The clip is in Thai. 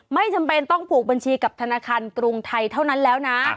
ไม่จำเป็นต้องผูกบัญชีกับธนาคารกรุงไทยเท่านั้นแล้วนะ